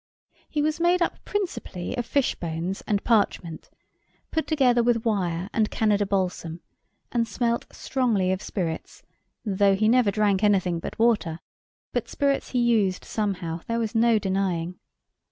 He was made up principally of fish bones and parchment, put together with wire and Canada balsam; and smelt strongly of spirits, though he never drank anything but water: but spirits he used somehow, there was no denying.